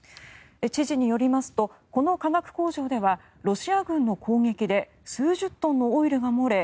知事によりますとこの化学工場ではロシア軍の攻撃で数十トンのオイルが漏れ